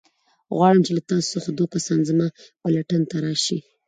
غواړم چې له تاسو څخه دوه کسان زما پلټن ته راشئ.